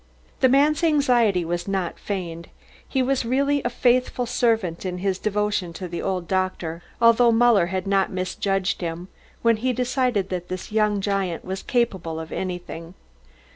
The man's anxiety was not feigned. He was really a faithful servant in his devotion to the old doctor, although Muller had not misjudged him when he decided that this young giant was capable of anything.